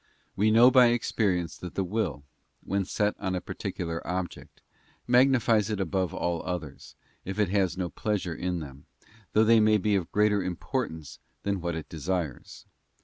We know by experience that the will, when set on a particular object, magnifies it above all others, if it has no ~ pleasure in them, though they may be of greater importance than what it desires.